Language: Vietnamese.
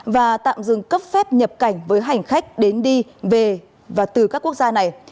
và tạm dừng cấp phép nhập cảnh với hành khách đến đi về và từ các quốc gia này